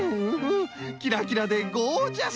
キラキラでゴージャス！